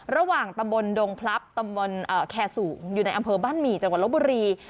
ระหว่างตำบลดงพลับตำบลแคร์สูงอยู่ในอำเภอบ้านหมี่จังหวัดลบบุรี